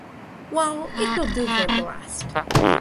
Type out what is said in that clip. Well, it will do for ballast.